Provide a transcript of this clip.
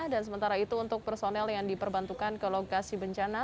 dan sementara itu untuk personel yang diperbantukan ke lokasi bencana